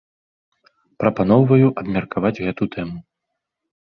Прапаноўваю абмеркаваць гэту тэму.